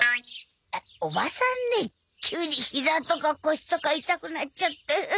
おばさんね急にひざとか腰とか痛くなっちゃって。